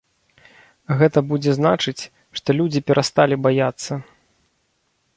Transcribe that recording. Гэта будзе значыць, што людзі перасталі баяцца.